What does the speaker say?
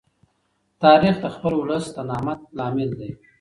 تاریخ د خپل ولس د نامت لامل دی.